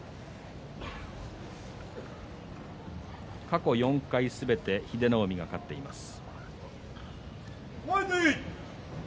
過去４回すべて英乃海が勝っています。